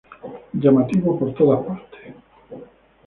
Llamativo por todas partes".